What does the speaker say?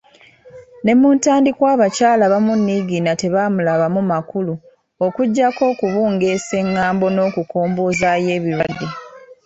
Ne mu ntandikwa abakyala abamu Niigiina tebaamulabamu makulu, okuggyako okubungeesa eng’ambo n’okukomboozaayo ebirwadde.